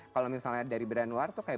kalau misalnya dari brand luar itu kayak